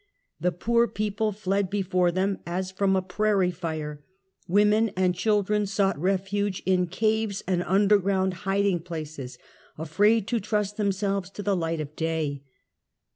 The poor people fled before them as from a prairie fire, women and children sought refuse in caves and underground hiding places, afraid to trust themselves in the light of day.